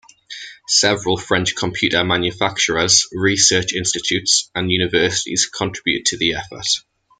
Several French computer manufacturers, research institutes and universities contributed to the effort.